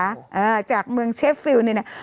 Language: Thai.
อ่าจากเมืองเชฟฟิลเนี่ยนะ